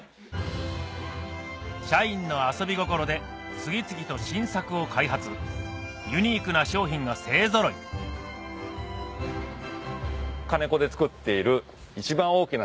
社員の遊び心で次々と新作を開発ユニークな商品が勢ぞろいカネコで作っている。